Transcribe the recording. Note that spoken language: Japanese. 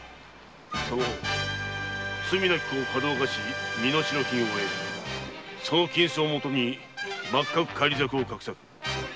その方罪なき子をかどわかし身代金を得その金子をもとに幕閣返り咲きを画策。